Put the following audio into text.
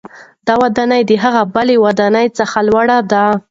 دا ودانۍ د هغې بلې ودانۍ څخه لوړه ده.